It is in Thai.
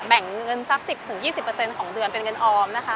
แบ่งเงินสัก๑๐๒๐ของเดือนเป็นเงินออมนะคะ